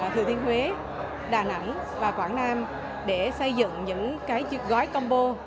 thừa thiên huế đà nẵng và quảng nam để xây dựng những cái chiếc gói combo